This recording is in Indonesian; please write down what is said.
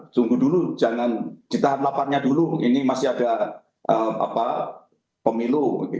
tunggu dulu jangan ditahan laparnya dulu ini masih ada pemilu